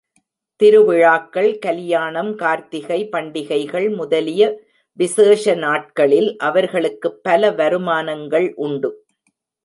திருவிழாக்கள், கலியாணம் கார்த்தி, பண்டிகைகள் முதலிய விசேஷ நாட்களில் அவர்களுக்குப் பல வருமானங்கள் உண்டு.